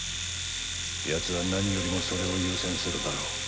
ヤツは何よりもそれを優先するだろう。